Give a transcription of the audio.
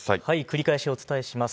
繰り返しお伝えします。